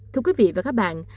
thưa quý vị và các bạn